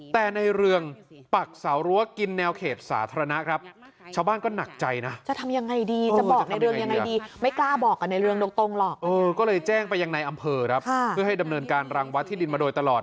แต่ในเรื่องปักสาวรั้วกินแนวเขตสาธารณะครับ